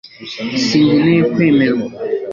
sinkeneye kwemerwa